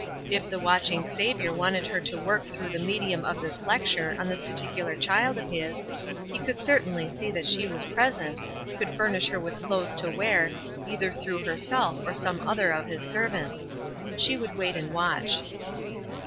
If the watching Saviour wanted her to work through the medium of this lecture on this particular child of His, He could certainly see that she was present; could furnish her with clothes to wear, either through herself or some other of His servants. She would wait and watch.